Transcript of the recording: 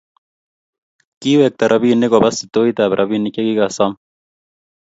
Kiwekta robinik koba sitoitab robinik chegigasom